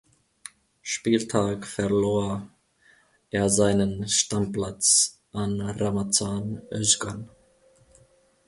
Spieltag verlor er seinen Stammplatz an Ramazan Özcan.